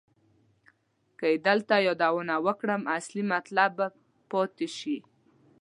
که یې دلته یادونه وکړم اصلي مطلب به پاتې شي.